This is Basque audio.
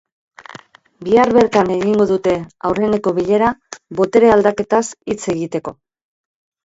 Bihar bertan egingo dute aurreneko bilera botere aldaketaz hitz egiteko.